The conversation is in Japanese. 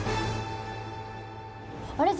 あれ？